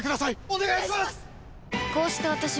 お願いします！